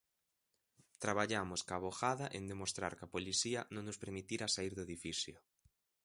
Traballamos coa avogada en demostrar que a policía non nos permitira saír do edificio.